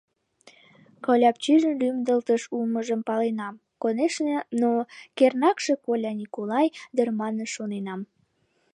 Коляпчижын лӱмдылтыш улмыжым паленам, конешне, но кернакше Коля-Николай дыр манын шоненам.